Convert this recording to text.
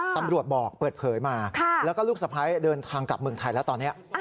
ตำรวจบอกเปิดเผยมาแล้วก็ลูกสะพ้ายเดินทางกลับเมืองไทยแล้วตอนนี้